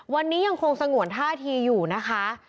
วันนี้ยังคงสงวนท่าทีอยู่นะคะ